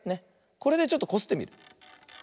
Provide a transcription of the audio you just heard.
これでちょっとこすってみる。